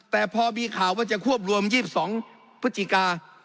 แต่พอมีข่าวว่าจะควบรวม๒๒พฤศจิกา